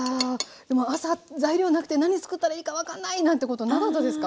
でも朝材料なくて何つくったらいいか分かんないなんてことなかったですか？